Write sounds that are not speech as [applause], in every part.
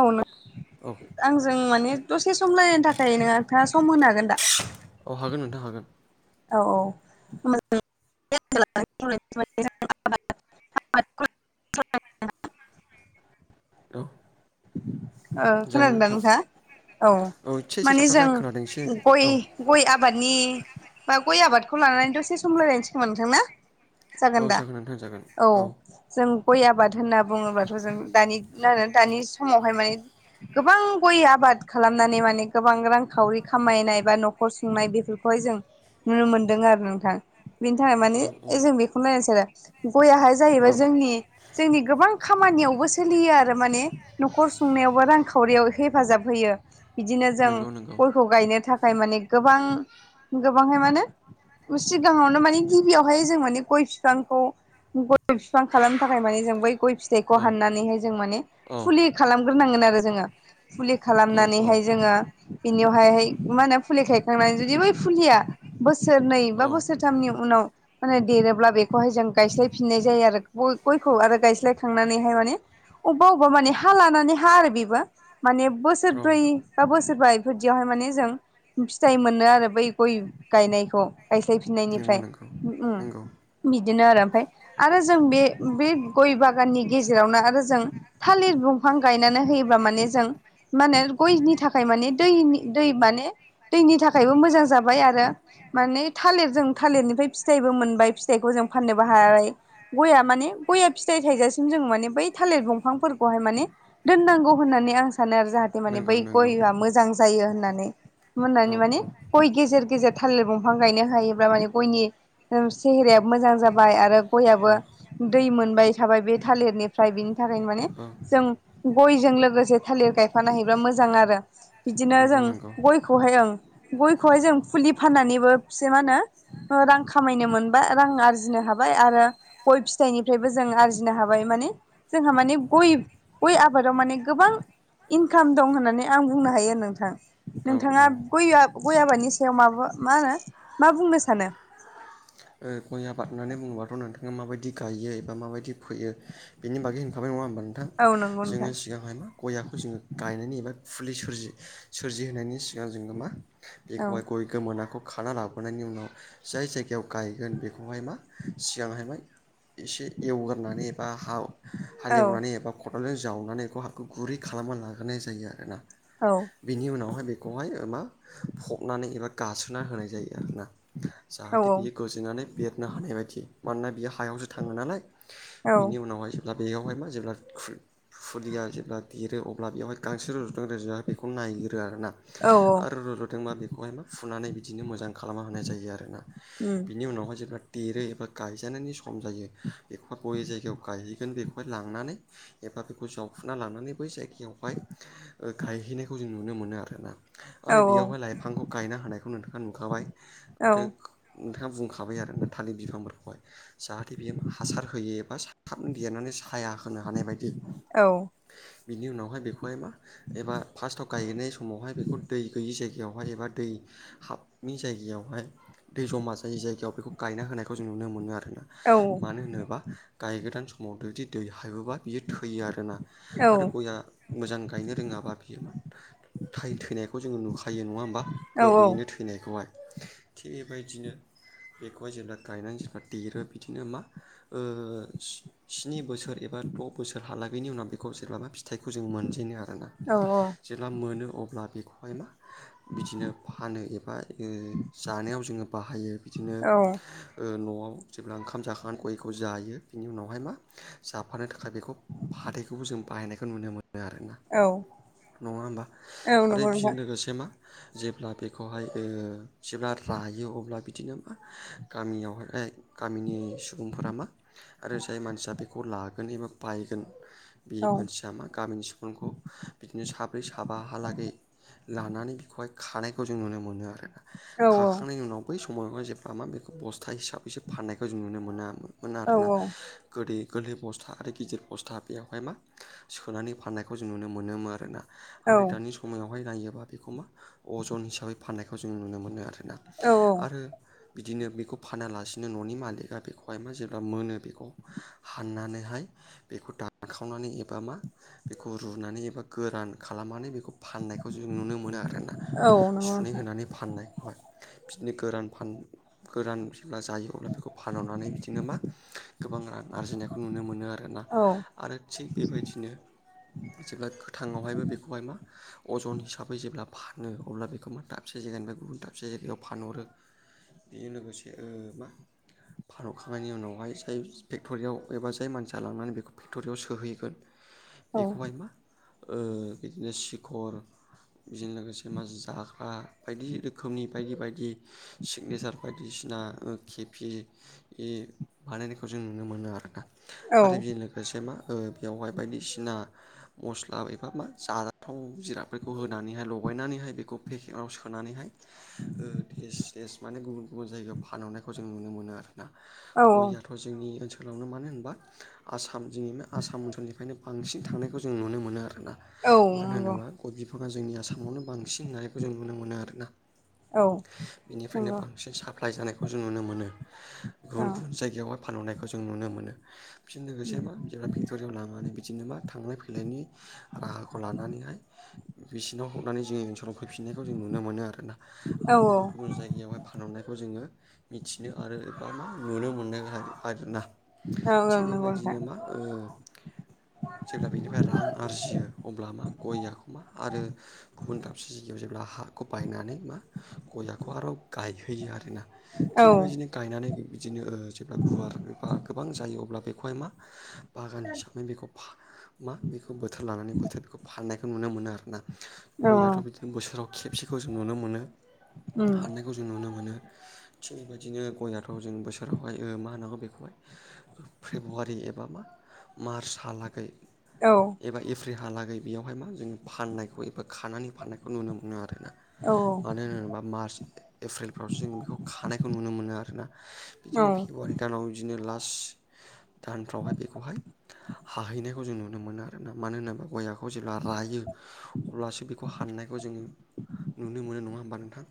औ औ आंजों माने दसे सम लायलायनो थाखाय नों नोंथाङा सम होनो हागोन दा औ हागोन नोंथां हागोन औ औ [unintelligible] औ। ओ खोनादोंदा नोंथां औ एसे एसे माने जों थाबथाबनाय खोनादों एसे गय औ गय आबादनि बा गय आबादखौ लानानै दसे सम रायलायनोसै खोमा नोंथां ना? औ जागोन दा? नोंथां जागोन औ। जों गय आबाद होनना बुङोब्लाथ' जों दानि ना दानि समावहाय माने गोबां गय आबाद खालामनानै माने गोबां रांखावरि खामायनाय बा न'खर संनाय बेफोरखौहाय जों नुनो मोनदों आरो नोंथां, बेनि थाखाय मान औ औ जों बेखौनो रायलायनोसै आरो। गयाहाय औ जाहैबाय जोंनि जोंनि गोबां खामानियावबो सोलियो आरो माने न'खर सुंनायावबो बबावबा रांखावरियाव हेफाजाब होयो, बिदिनो जों नंगौ नंगौ गयखौ गायनो थाखाय माने गोबां, गोबांहाय मा होनो सिगाङावनो माने गिबियावहाय जों माने गय बिफांखौ गय बिफां खालामनो थाखाय माने जों बै गय फिथाइखौ औ हाननानैहाय जों माने औ फुलि खालामग्रोनांगोन आरो जोङो, फुलि औ औ खालामनानैहाय जोङो बिनियावहाय मा होनो फुलि गायखांनानै जुदि बै फुलिया बोसोरनै बा औ बोसोरथामनि उनाव माने देरोब्ला बेखौहाय जों गायस्लायफिननाय जायो आरो गय गयखौ आरो गायस्लायखांनानैहाय माने अबेबा अबेबा माने हा लानानै हा आरो बे बो माने बोसोरब्रै बा बोसोरबा बदियावहाय माने जों फिथाइ मोनो आरो बै गय गायनायखौ नंगौ गायस्लायफिननायनिफ्राय, नंगौ उम। नंगौ बिदिनो आरो ओमफ्राय आरो जों बे बे गय बागाननि गेजेरावनो आरो जों थालिर दंफां गायनानै होयो ब्ला माने जों माने गयनि थाखाय माने दैनि दै माने दैनि थाखायबो मोजां जाबाय आरो माने थालिर जों थालिरनिफ्राय फिथाइबो मोनबाय फिथाइखौ जों फाननोबो हाबाय। गया माने गया फिथाइ थायजासिम जों माने बै थालिर दंफांफोरखौहाय माने दोननांगौ होननानै आं सानो आरो जाहाथे माने नंगौ बै नंगौ गयआ मोजां जायो होननानै। औ मोननानै माने औ गय गेजेर गेजेर थालिर दंफां गायनो हायोब्ला माने गयनि ओ सेहेरायाबो मोजां जाबाय आरो गयाबो दै मोनबाय थाबाय बे थालिरनिफ्राय बेनि थाखायनो माने औ जों गयजों लो गोसे थालिर गायफानो हायोब्ला मोजां आरो। बिदिनो नंगौ जों नंगौ गयखौहाय ओं गयखौहाय जों फुलि फाननानैबो एसे मा होनो रां खामायनो मोनबाय रां आरजिनो हाबाय आरो गय फिथाइनिफ्रायबो जों आरजिनो हाबाय माने जोंहा माने गय गय आबादाव माने गोबां इनकाम दं होननानै आं बुंनो हायो नोंथां। औ नोंथाङा औ गय आ गय आबादनि सायाव माबा मा होनो मा बुंनो सानो? ओ गय आबाद होननानै बुङोबाथ' नोंथाङा माबायदि गायो एबा माबायदि फोयो बेनि बागै होनखाबाय नङा होनबा? नोंथां औ नंगौ नोंथां जोङो सिगां गयाखौ जोङो गायनायनि एबा फुलि सोरजि सोरजिहोनायनि बेनि उनाव जोङो मा औ बेखौहाय गय गोमोनाखौ खाना लाबोनायनि उनाव जाय जायगायाव गायगोन बे खौहाय मा सिगांहाय मा एसे एवगोरनानै एबा हा औ हालेवनानै एबा खदालजों जावनानै बेखौ हाखौ गुरै खालामना लाग्रोनाय जायो आरोना। औ बिनि उनावहाय बेखौहाय मा फबनानै एबा गासोना होनाय जायो आरोना। औ जाहाथे बियो गोजोनानै बेरनो हानाय बायदि मानोना बियो हायावसो थाङो नालाय औ बेनि उनावहाय जेब्ला बेयावहाय मा जेब्ला खु फुलिया जेब्ला देरो अब्ला बेवहाय गांसो रुज'दों रोजु बेखौ नायग्रो आरो ना‌। औ आरो रज'दोंबा बेखौहाय म फुनानै बिदिनो मोजां खालामना होनाय जायो आरोना। उम बि उनावाय जों एबा देरो एबा गायजानायनि सम जायो बेखौहाय बबे जायगायाव गायहैगोन बेखौहाय लांनानै एबा बेखौ जावफुना लानानै बै जायगायावहाय गायहैनायखौ जों नुनो मोनो आरोना। औ आरो बेयावहाय लाइफांखौ गायना होनायखौ नोंथाङा नुखाबाय औ नोंथाङा बुंखाबाय आरो थालिर बिफांफोरखौहाय जाहाथे बेयो हासार होयो एबा थाबनो देरनानै साया होनो हानाय बायदि औ बिनि उनावहाय बेखौहाय मा एबा फार्स्टआव गायनाय समावहाय बेखौ दै गैयि जायगायावहाय एबा दै हाबनि जायगायावहाय दै जमा जायै जायगायाव बेखौ गायना होनायखौ जों नुनो मोनो आरोना औ मानो होनोबा गायगोदान समाव जुदि दै हाबोबा बियो थैयो आरोना औ आरो गया मोजां गायनो रोङाबा बियो मा फ्राय थैनायखौ जोङो नुखायो नङा होमबा गोरलैयैनो थै फैनायखौहाय थिग बेबायदिनो बेखौहाय जेब्ला गायनानै जेब्ला देरो बिदिनो मा स्नि बोसोर एबा द' बोसोर हालागैनि उनाव बेखौ जेब्लाबा फिथाइखौ जों मोनजेनो आरोना। औ औ जेब्ला मोनो अब्ला बेखौहाय मा बिदिनो फानो एबा जानायाव जोङो बाहायो बिदि औ न'आव जेब्ला ओंखाम जाखांनानै गयखौ जायो बिनि उनावहाय मा जाफानो थाखाय बेखौ फाथैखौबो जों बाहायनायखौ नुनो मोनो आरोना। औ नङा होमबा आरो नंगौ बिजों नोंथां लोगोसे मा जेब्ला बेखौहाय जेब्ला रायो अब्ला बिदिनो मा गामियावहाय गामिनि सुबुंफोरा मा आरो जाय मानसिया बेखौ लागोन एबा बायगोन बे औ मानसिया मा गामिनि सुबुंखौ बिदिनो साब्रै साबाहालागै लानानै बेखौहाय खानायखौ जों नुनो मोनो आरोना। औ नंगौ नोंथां औ नंगौ औ नंगौ औ खाखांनायनि उनाव बै समाव जेब्ला मा बेखौ बस्था हिसाबैसो फाननायखौ जों नुनो मोनामोन। मोन आरोना। गोदै गोरलै बस्था आरो गिदिर बस्था बेयावहाय मा सोनानै फाननायखौ जों नुनो मोनोमोन आरोना। आरो दानि समायावहाय नायोबा बेखौ मा अजन हिसाबै फाननायखौ जों नुनो मोनो आरोना। आरो बिदिनो बेखौ फानालासिनो न'नि मालिका बेखौहाय जेब्ला मोनो बेखौ हाननानैहाय बेखौ दानाखावनानै एबा मा बेखौ रुनानै एबा गोरान खालामनानै बेखौ फाननाय खौ जों नुनो मोनो आरोना औ सुनै होनानै फाननायखौहाय बिदिनो गोरान फान फोरान जेब्ला जायो अब्ला बेखौ फानहरनानै बिदिनो मा गोबां रां आरजिनायखौ नुनो मोनो आरोना आरो थिग बेबायदिनो जेब्ला गोथाङावहायबो बेखौहाय मा अजन हिसाबै जेब्ला फानो अब्ला बेखौ मा दाबसे जायगानिफ्राय गुबुन दाबसे जायगायाव फानहरो। बेजों लोगोसे मा फानहरखांनायनि उनावहाय जाय फेक्ट'रियाव एबा जाय मानसिया लांनानै बेखौ फेक्ट'रियाव सोहैगोन बेखौहाय मा ओ बिदिनो सिखर बेजों लोगोसे मा जाख्ला बायदि रोखोमनि बायदि बायदि सिगनेसार बायदिसिना केपि इ बानायनायखौ जों नुनो मोनो आरोना आरो बेजों लोगोसे मा ओ बेयावहाय बायदिसिना मस्ला एबा मा जाथाव जिरादफोरखौ होनानैहाय लगायनानैहाय बेखौ पेकेदाव सोनानैहाय थेस थेस माने गुबुन गुबुन जायगायाव फानहरनायखौ जों नुनो मोनो आरोना गयआथ' जोंनि ओनसोलावनो मानो होनबा आसाम जोंनि आसाम ओनसोलनिफ्रायनो बांसिन थांनायखौ जों नुनो मोनो आरोना मानो होनोबा गय बिफाङा जोंनि आसामावनो बांसिन होनानायखौ जों नुनो मोनो आरोना बेनिफ्रायनो बांसिन साप्लाय जानायखौ जों नुनो मोनो गुबुन गुबुन जायगायावहाय फानहरनायखौ जों नुनो मोनो। फिन लोगोसे मा जोंआ फेक्ट'रियाव लाबोनानै बिदिनो मा थांलाय फैलायनि राहाखौ लानानैहाय बिसिनाव हरनानै जोंनि ओनसोलाव फैफिननायखौ जों नुनो मोनो आरोना आरो गुबुन गुबुन जायगायावहाय फानहरनायखौ जोङो मिथिनो आरो एबा मा नुनो मोन [unintelligible] थिग नंगौ बेबायदिनो मा नोंथां ओ जेब्ला बिनिफ्राय रां आरजियो अब्ला मा गया खौमा आरो गुबुन दाबसे जायगायाव जेब्ला हाखौ बायनानै मा गयाखौ आरो गायहैयो आरोना औ थिग बेबायदिनो गायनानै बिदिनो ओ जेब्ला गुवार एबा गोबां जायो अब्ला बेखौहाय मा बागान हिसाबै बेख मा बेखौ बोथोर लानानै बोथोर बेखौ फाननायखौ नुनो मोनो आरोना औ गयआथ' बिदि बोसोराव खेबसेखौ जों नुनो मोनो उम हानो जों नुनो मोनो थिग बेबायदिनो गयाथ जों बोसोरावहाय ओ मा होनांगौ बेखौहाय फेब्रुवारि एबा मा मार्चहालागै औ एबा एफ्रिहालागै बेयावहाय मा जोङो फाननायखौ एबा खानानै फाननायखौ नुनो मोनो आरोना औ मानो होनोबा मार्च एप्रिलफ्रावसो जों बेखौ खानायखौ नुनो मोनो आरोना। औ बिदिनो फेब्रुवारि दानाव बिदिनो लास दानफ्रावहाय बेखौहाय हाहैनायखौ जों नुनो मोनो आरोना मानो होनोब्ला गयाखौ जेब्ला रायो अब्लासो बेखौ हाननायखौ जों नुनो मोनो नङा होमबा नोंथां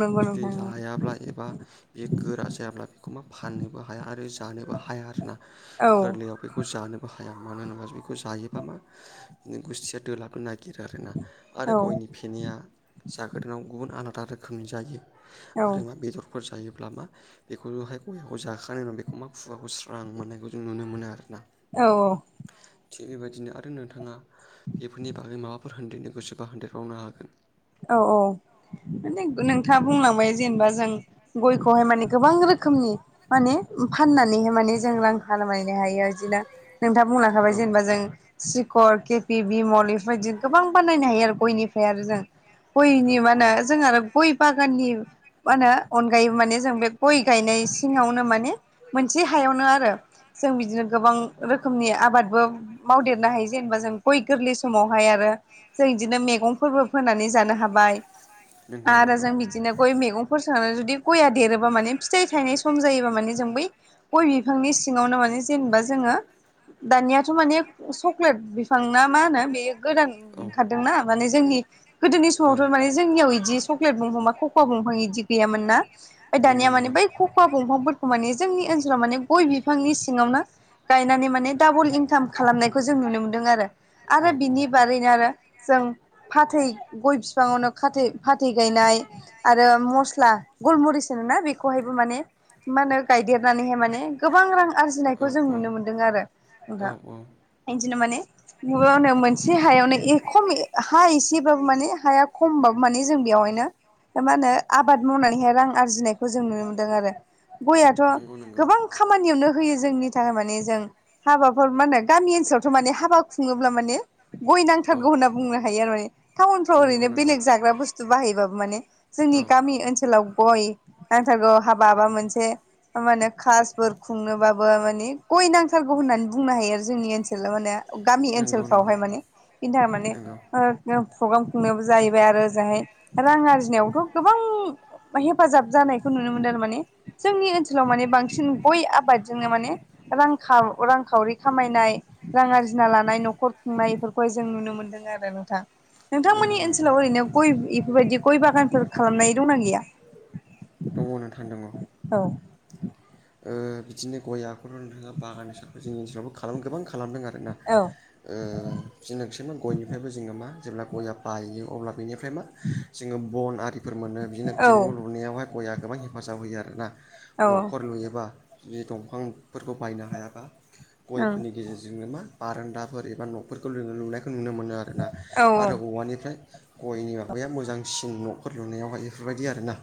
नंगौ जुदि नोंथां लायाब्ला एबा बे गोरा जायाब्ला बेखौ मा फाननोबो हाया आरो जानोबो हाया आरोना औ गोरलैयाव बेखौ जानोबो हाया मानो होनोब्ला बेखौ जायोबा मा गुसथिया दोलाबनो नागिरो आरोना औ आरो गयनि फेनाया जागोदानाव गुबुन आलादा रोखोमनि जायो। औ आरो मा बेदरफोर जायोब्ला मा बेखौहाय गयखौ जाखानाय उनाव बेखौ मा खुगाखौ स्रां मोननायखौ जों नुनो मोनो आरोना औ औ थिग बेबायदिनो आरो नोंथाङा बेफोरनि बागै माबाफोर होनदेरनो गोसोबा होनदेरबावनो हागोन। औ औ माने नोंथाङा बुंलांबाय जेनेबा जों गयखौहाय माने गोबां रोखोमनि माने फाननानैहाय माने जों रां खालामायनो हायो इदिना नोंथाङा बुंलांखाबाय नोंथाङा जेनेबा जों सिखर केपि बिमल बेफोरबायदि गोबां बानायनायनो हायो आरो गयनिफ्राय आरो जों औ औ गयनि मा होनो जों आरो गय बागाननि मा होनो अनगायै माने जों बे गय गायनाय सिङावनो माने मोनसे हायावनो आरो जों बिदिनो गोबां रोखोमनि आबादबो मावदेरनो हायो जेनेबा जों गय गोरलै समावहाय आरो जों इदिनो मैगंफोरबो फोनानै जानो हाबाय नंगौ आरो नंगौ जों बि बिदिनो गय मैगंफोर सांनानै जुदि गया देरोबा माने फिथाइ थायनाय सम जायोबा माने जों बै गय बिफांनि सिङावनो माने जेनेबा जोङो दानियाथ' माने चक्लेट बिफां ना मा होनो बे गोदान औ ओंखारदोंना माने जोंनि गोदोनि औ समावथ' माने जोंनियाव बिदि सक्लेट दंफां ककव दफां इदि गैयामोन ना ओमफ्राय नंगौ दानिया मे नंगौ बै खखा बंफांफोरखौ माने जोंनि ओनसोलाव माने गय बिफांनि सिङावनो गायनानै माने डाबल इंकाम खालामनायखौ जों नुनो मोन्दों आरो आरो बिनि बारैनो आरो जों फाथै गय बिफाङावनो फाथै फाथै गायनाय आरो मस्ला गलमरिस बेखौहायबो माने मा होनो गायदेरनानैहाय माने गोबां रां आरजिनायखौ जों औ नुनो मोन्दों आरो औ नोंथां। औ बिदिनो माने मावनो मोनसे हायावनो एखम हा एसे बाबो माने हाया खमबाबो माने जों बेयावहायनो। मा होनो आबाद मावनानैहाय रां आरजिनायखौ जों नुनो मोन्दों आरो। गयाथ' नंगौ नंगौ गोबां खामानियावनो होयो जोंनि थाखाय माने जों हाबाफोर मा होनो गामि ओनसोलावथ' माने हाबा खुङोब्ला माने। गय औ नांथारगौ होनना बुंनो हायो आरो माने टाउन फाव नंगौ ओरैनो नंगौ बेलेग जाग्रा बुस्थु। थु बाहायबाबो माने औ जोंनि गामि ओनसोलाव गय नांथारगौ हाबा हाबा मोन मोनसे होनबानो खाबुफोर खुंनोबाबो माने गय ओ सालगौ होननानै बुंनो हायो आरो जोंनि ओनसोलाव माने गामि नंगौ नंगौ ओनसोलफ्रावहाय माने बिन्था माने नंगौ प्रग्राम खुंनोबो जाहैबाय आरो ओजोंहाय रां आरजिनायावथ' गोबां। हेफाजाब जानायखौ नुनो मोनदों थारमाने। जोंनि ओनसोलाव माने बांसिन गय आबादजोंनो माने रां रांखावरि खामायनाय। रां आरजिना लानाय न'खर खुंनाय बेफोरखौहाय जों नुनो मोन्दों आरो नोंथां। नोंथांमोननि नंगौ नंगौ ओनसोलाव ओरैनो गय बेफोरबायदि गय बागानफोर खालामनाय दंना गैया? दङनो थान्दोंङो औ बिदिनो गय आखराव थाङा बागान ह जोंनि ओनसोलावबो गोबां खालामदों आरो ना जनोखस मा गयनिफ्रायबो जोङो मा जेब्ला गया बायो अब्ला बेनिफ्राय मा। जोङो बन आरिफोर मोनो बिदिनोस औ न' लुनायावहाय गआ गोबां हेफाजाब होयो आर ना औ न' फोर लुयोबा जुदि दंफांफोरखौ बायनो हायाबा ओं गयफोरनि गेजेरजोंनो मा? बारान्दाफोर एबा न'फोरखौ ल लुनायखौ नुनो मोनो आर ना औ आरो औवानिफ्राय। गयनि माबाया मोजांसिन न'फोर लुनायावहाय बेफोरबायदि आर ना।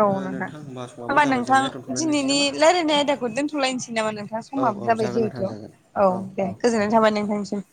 औ नोंथां नोंथांोमबाास'आाबबो होमबा जाबाय नोंथां जोंनिया दं दिनैनि रायजलायनाय आयदाखौ दोनथ'लायनोसै नामा नोंथाङा औ समाबो औ जाबाय जागोन नोंथां जिहेथु जागोन औ दे। गोजोननाय थाबाय नोंथांसिम